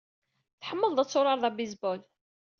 Tḥemmleḍ ad turareḍ abaseball.